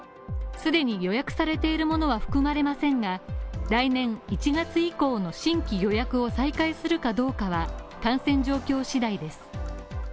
既に予約されているものは含まれませんが来年１月以降の新規予約を再開するかどうかは、感染状況次第です。